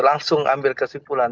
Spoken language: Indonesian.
langsung ambil kesimpulan